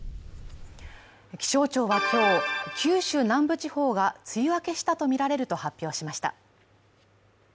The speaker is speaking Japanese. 気象庁は今日、九州南部地方が梅雨明けしたとみられると発表しました。